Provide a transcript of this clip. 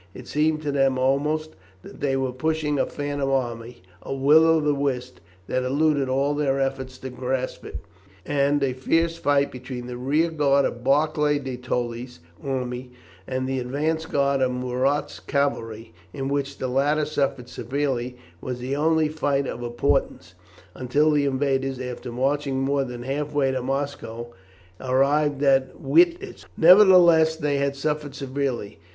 It seemed to them almost that they were pursuing a phantom army, a will o' the wisp, that eluded all their efforts to grasp it, and a fierce fight between the rear guard of Barclay de Tolly's army and the advance guard of Murat's cavalry, in which the latter suffered severely, was the only fight of importance, until the invaders, after marching more than half way to Moscow, arrived at Witebsk. Nevertheless they had suffered severely.